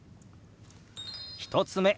１つ目。